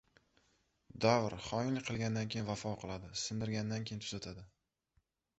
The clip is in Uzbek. Davr xoinlik qilgandan keyin vafo qiladi, sindirgandan keyin tuzatadi